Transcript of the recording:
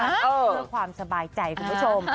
เพื่อความสบายใจคุณผู้ชม